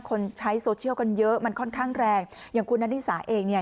คนใช้โซเชียลกันเยอะมันค่อนข้างแรงอย่างคุณนานิสาเองเนี่ย